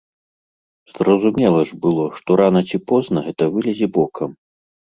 Зразумела ж было, што рана ці позна гэта вылезе бокам.